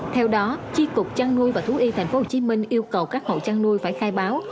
theo đó chi cục chăn nuôi và thú y tp hcm yêu cầu các hộ chăn nuôi phải khai báo